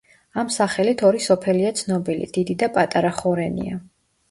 ამ სახელით ორი სოფელია ცნობილი: დიდი და პატარა ხორენია.